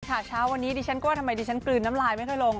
เช้าวันนี้ดิฉันก็ว่าทำไมดิฉันกลืนน้ำลายไม่ค่อยลง